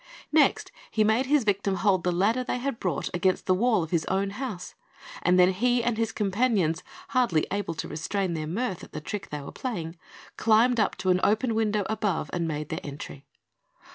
He next made his victim hold the ladder they had brought against the wall of his own house, and then he and his companions, hardly able to restrain their mirth at the trick they were playing, climbed up to an open window above, and made their entry.